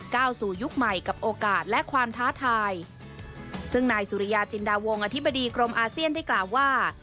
ก้าวสู่ยุคใหม่กับโอกาสและความท้าทายซึ่งนายสุริยาจินดาวงอธิบดีกรมอาเซียนได้กล่าวว่า